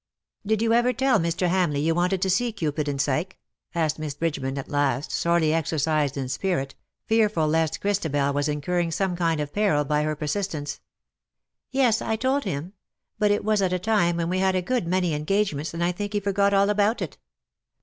'^ Did you ever tell Mr. Hamleigh you wanted to see ' Cupid and Psyche ^?'^ asked Miss Bridgeman at last, sorely exercised in spirit — fearful lest Chris tabel was incurring some kind of peril by her persistence. " Yes, I told him ; but it was at a time when we had a good many engagements, and I think he forgot all about it.